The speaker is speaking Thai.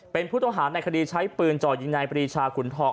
เป็นผู้ต้องหาในคดีใช้ปืนจ่อยิงนายปรีชาขุนทอง